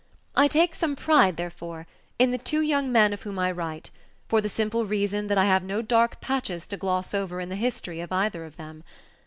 I take some pride, therefore, in the two young men of whom I write, for the simple reason that I have no dark patches to gloss over in the history of either of them.